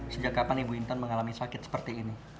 sejak kapan ibu intan mengalami sakit seperti ini